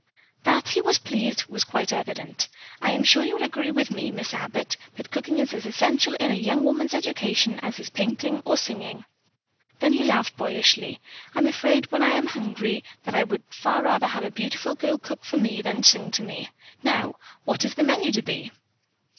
That he was pleased was quite evident. "I am sure you agree with me, Miss Abbott, that cooking is as essential in a young woman's education as painting or singing." Then he laughed boyishly. "I'm afraid, when I am hungry that I would far rather have a beautiful girl cook for me than sing to me. Now, what is the menu to be?"